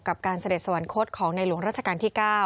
การเสด็จสวรรคตของในหลวงราชการที่๙